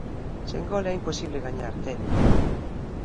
Sen gol é imposible gañar, Terio.